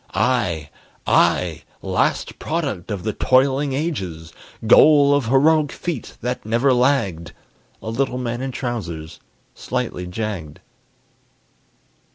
I, I, last product of the toiling ages, Goal of heroic feet that never lagged A little man in trousers, slightly jagged.